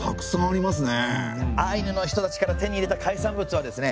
アイヌの人たちから手に入れた海産物はですね